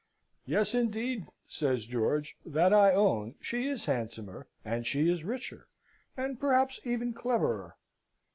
"Yes, indeed," says George, "that I own: she is handsomer, and she is richer, and perhaps even cleverer."